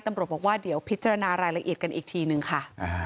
ตำรวจบอกว่าเดี๋ยวพิจารณารายละเอียดกันอีกทีนึงค่ะ